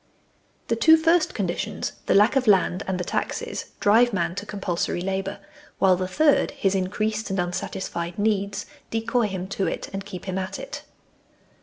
The two first conditions the lack of land and the taxes drive man to compulsory labour, 72 THE SLAVERY OF OUR TIMES while the third his increased and unsatisfied needs decoy him to it and keep him at it.